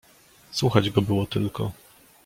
"Słuchać go było tylko."